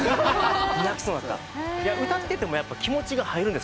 歌ってても気持ちが入るんです。